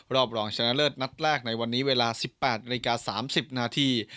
รอบรองชนะเลิศนัดแรกในวันนี้เวลาสิบแปดรายการสามสิบนาที